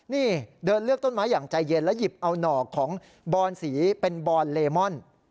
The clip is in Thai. นี่เดินเลือกต้นไม้อย่างใจเย็นแล้วหยิบเอาหนอกของบอนสีเป็นบอนเลมอน